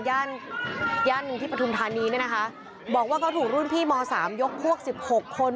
ย่านย่านหนึ่งที่ปฐุมธานีเนี่ยนะคะบอกว่าเขาถูกรุ่นพี่มสามยกพวกสิบหกคน